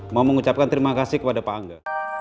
mau mengucapkan terima kasih kepada pak angga